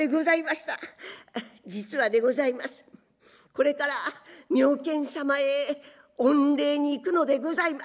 これから妙見様へ御礼に行くのでございます。